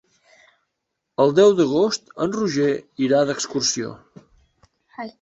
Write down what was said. El deu d'agost en Roger irà d'excursió.